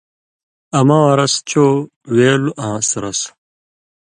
امہ واں رس چو وېلوۡ آں سُرسوۡ،